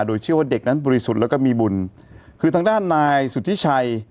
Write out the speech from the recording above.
โดยเชื่อว่าเด็กนั้นบริสุทธิ์แล้วก็มีบุญคือทางด้านนายสุธิชัย